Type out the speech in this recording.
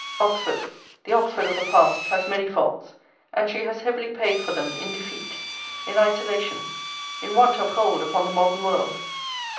Oxford, the Oxford of the past, has many faults; and she has heavily paid for them in defeat, in isolation, in want of hold upon the modern world.